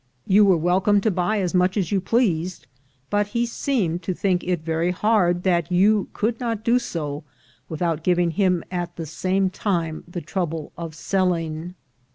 You were welcome to buy as much as you pleased ; but he seemed to think it very hard that you could not do so without giving him at the same time the trouble of selling.